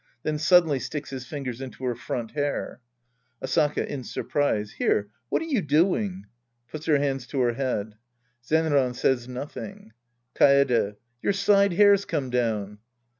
Then suddenly sticks his fingers into Iter front hair!) Asaka {in surprise). Here, what are you doing ? {Puts her hands to her head!) (Zenran says nothing!) Kaede. Your side hair's come down.